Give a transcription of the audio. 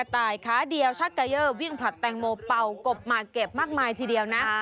ตายขาเดียวชักเกยอร์วิ่งผลัดแตงโมเป่ากบมาเก็บมากมายทีเดียวนะ